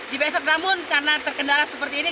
di besok namun karena terkendala seperti ini